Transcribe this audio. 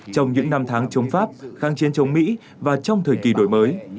trong những năm tháng chống pháp kháng chiến chống mỹ và trong thời kỳ đổi mới